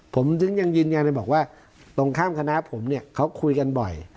ผมถึงยังยืนยันเลยบอกว่าตรงข้ามคณะผมเนี่ยเขาคุยกันบ่อย